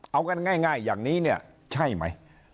เอากันง่ายอย่างนี้เนี่ยใช่ไหม